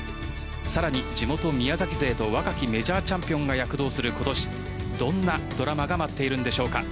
さらに地元・宮崎勢と若きメジャーチャンピオンが躍動する今年どんなドラマが待っているんでしょうか。